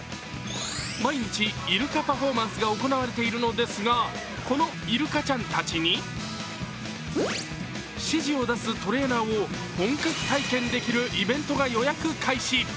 毎日、イルカパフォーマンスが行われているのですがこのイルカちゃんたちに指示を出すトレーナーを本格体験できるイベントが予約開始。